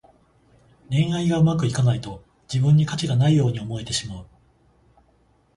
恋愛がうまくいかないと、自分に価値がないように思えてしまう。